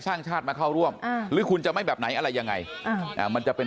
สร้างชาติมาเข้าร่วมหรือคุณจะไม่แบบไหนอะไรยังไงมันจะเป็น